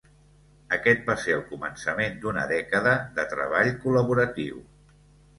Aquest va ser el començament d'una dècada de treball col·laboratiu.